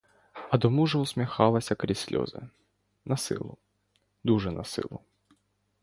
А до мужа усміхалася крізь сльози, на силу, дуже на силу.